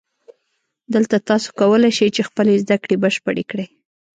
دلته تاسو کولای شئ چې خپلې زده کړې بشپړې کړئ